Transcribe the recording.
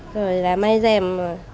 rồi là may dèm